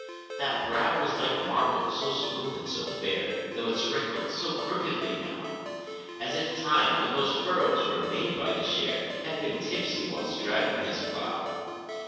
That brow was like marble, so smooth and so fair; Though it's wrinkled so crookedly now, As if time, when those furrows were made by the share, Had been tipsy whilst driving his plough!